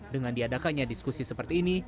dengan diadakannya diskusi seperti ini